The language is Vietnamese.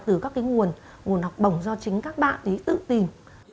từ các nguồn học bổng do chính các bạn tự tìm